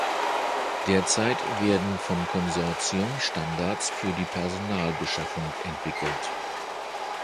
Derzeit werden vom Konsortium Standards für die Personalbeschaffung entwickelt.